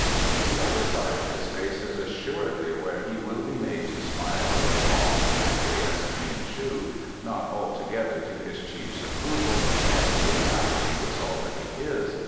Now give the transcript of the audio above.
"The other side of his face is assuredly where he will be made to smile ere long," acquiesced Ming shu, not altogether to his chief's approval, as the analogy was already his.